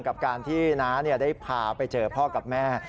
กับการที่น้าได้พาไปเจอพ่อกับแม่